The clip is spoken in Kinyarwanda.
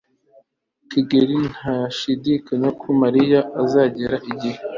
kigeri ntashidikanya ko mariya azagera igihe